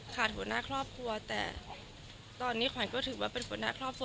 หัวหน้าครอบครัวแต่ตอนนี้ขวัญก็ถือว่าเป็นหัวหน้าครอบครัว